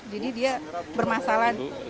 jadi dia bermasalah